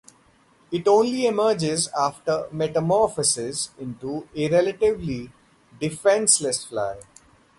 It only emerges after metamorphosis into a relatively defenseless fly.